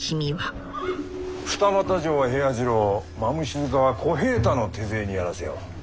二俣城は平八郎馬伏塚は小平太の手勢にやらせよう。